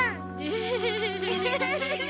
フフフフフ。